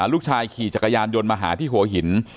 ลูกชายขี่จักรยานยนต์มาหาที่หัวหิน